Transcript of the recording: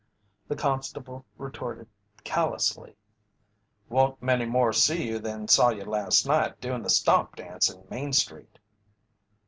The constable retorted callously: "Won't many more see you than saw you last night doin' the stomp dance in Main Street."